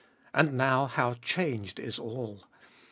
And now, how changed is all